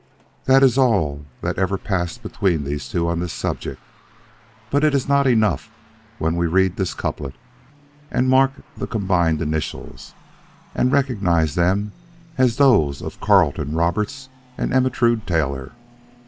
This is all that ever passed between these two on this subject, but is it not enough when we read this couplet, and mark the combined initials, and recognize them as those of Carleton Roberts and Ermentrude Taylor?